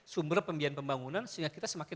sumber pembiayaan pembangunan sehingga kita semakin